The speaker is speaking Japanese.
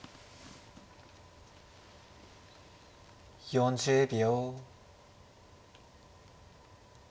４０秒。